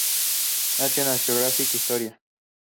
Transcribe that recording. National Geographic Historia.